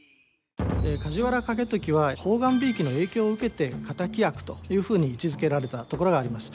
梶原景時は判官びいきの影響を受けて敵役というふうに位置づけられたところがあります。